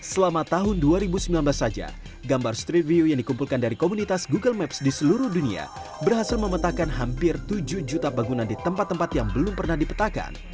selama tahun dua ribu sembilan belas saja gambar street view yang dikumpulkan dari komunitas google maps di seluruh dunia berhasil memetakan hampir tujuh juta bangunan di tempat tempat yang belum pernah dipetakan